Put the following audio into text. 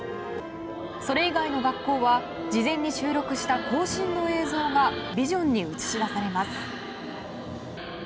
それ以外の学校は事前に収録した行進の映像がビジョンに映し出されます。